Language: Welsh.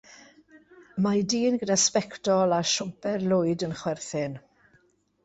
Mae dyn gyda sbectol a siwmper lwyd yn chwerthin.